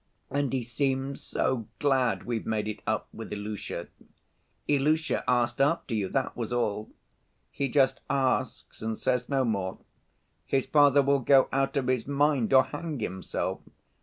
And he seems so glad we've made it up with Ilusha. Ilusha asked after you, that was all. He just asks and says no more. His father will go out of his mind or hang himself.